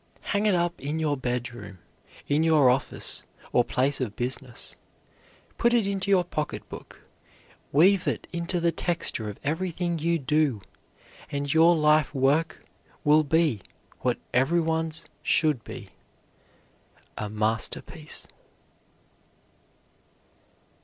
Hang it up in your bedroom, in your office or place of business, put it into your pocket book, weave it into the texture of everything you do, and your life work will be what every one's should be A MASTERPIECE.